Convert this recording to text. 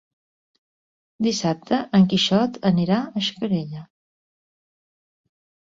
Dissabte en Quixot anirà a Xacarella.